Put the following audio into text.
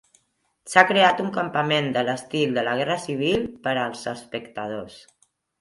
S'ha creat un campament de l'estil de la Guerra Civil per als espectadors.